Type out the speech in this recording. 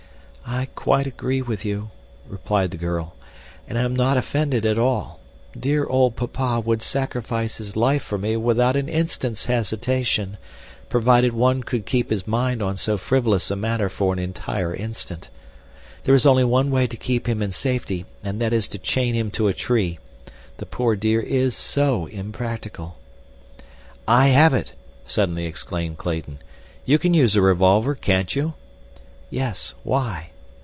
"I quite agree with you," replied the girl, "and I am not offended at all. Dear old papa would sacrifice his life for me without an instant's hesitation, provided one could keep his mind on so frivolous a matter for an entire instant. There is only one way to keep him in safety, and that is to chain him to a tree. The poor dear is SO impractical." "I have it!" suddenly exclaimed Clayton. "You can use a revolver, can't you?" "Yes. Why?"